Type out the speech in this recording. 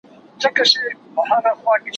ما مخکي د سبا لپاره د يادښتونه بشپړي کړې،